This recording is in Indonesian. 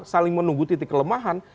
saling menunggu titik kelemahan